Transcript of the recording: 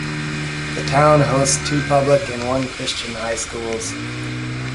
The town hosts two public and one Christian high schools.